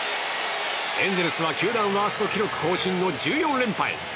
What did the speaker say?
エンゼルスは球団ワースト記録更新の１４連敗。